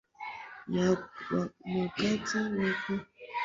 ni pacenti moja tu ya wanaume wanaweza kupata saratani ya matiti kwenye matiti yao